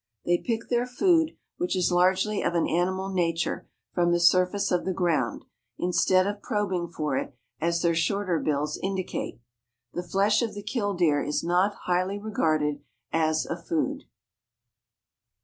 They pick their food, which is largely of an animal nature, from the surface of the ground, instead of probing for it, as their shorter bills indicate. The flesh of the killdeer is not highly regarded as a food.